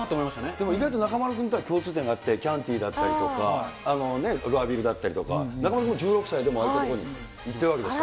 でも意外と中丸君とは共通点があって、キャンティだったりとか、ロアビルだったりとか、中丸君、１６歳でもああいう所に行っていたわけでしょ。